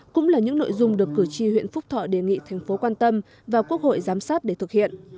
cũng là những nội dung được cử tri huyện phúc thọ đề nghị thành phố quan tâm và quốc hội giám sát để thực hiện